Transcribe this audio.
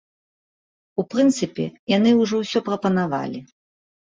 У прынцыпе, яны ўжо ўсё прапанавалі.